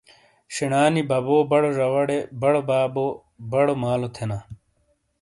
شینا نی ببو بڑو زواڑے بڑو بابو/ بڑو مالو تھینا۔